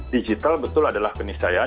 digital betul adalah penisayaan